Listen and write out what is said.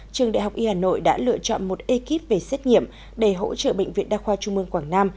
trường đại học y hà nội đã lựa chọn một ekip về xét nghiệm để hỗ trợ bệnh viện đa khoa trung mương quảng nam